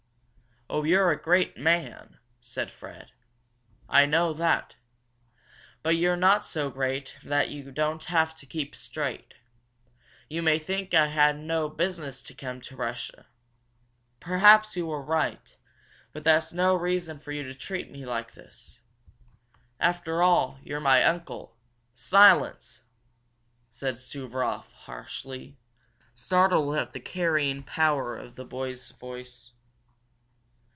"Oh, you're a great man," said Fred. "I know that. But you're not so great that you don't have to keep straight. You may think I had no business to come to Russia. Perhaps you are right, but that's no reason for you to treat me like this. After all, you're my uncle " "Silence!" said Suvaroff harshly, startled at the carrying power of the boy's voice.